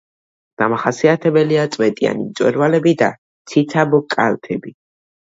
დამახასიათებელია წვეტიანი მწვერვალები და ციცაბო კალთები.